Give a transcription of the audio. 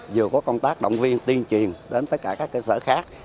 vừa có công tác động viên tuyên truyền đến tất cả các cơ sở khác